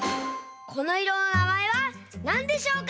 このいろのなまえはなんでしょうか？